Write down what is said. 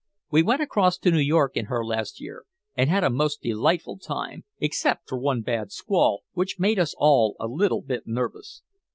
We went across to New York in her last year and had a most delightful time except for one bad squall which made us all a little bit nervous.